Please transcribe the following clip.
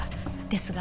ですが。